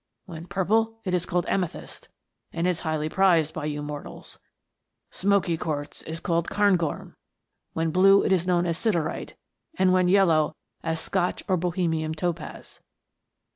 When purple, it is called amethyst, and is highly prized by you mortals ; smoky quartz is called cairngorm; when blue, it is known as side rite ; and when yellow, as Scotch or Bohemian topaz.